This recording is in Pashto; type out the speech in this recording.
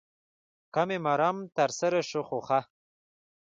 که مې مرام تر سره شو خو ښه.